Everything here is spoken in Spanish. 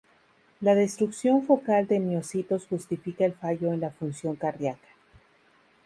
La destrucción focal de miocitos justifica el fallo en la función cardíaca.